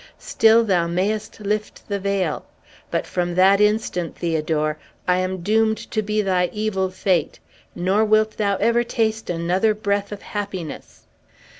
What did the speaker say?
Still, thou mayest lift the veil! But, from that instant, Theodore, I am doomed to be thy evil fate; nor wilt thou ever taste another breath of happiness!"